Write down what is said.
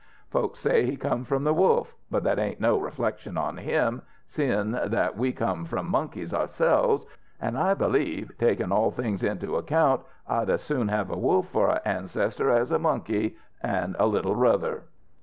Folks say he come from the wolf, but that ain't no reflection on him, seem' that we come from monkeys ourselves, an' I believe, takin' all things into account, I'd as soon have a wolf for a ancestor as a monkey, an' a little ruther.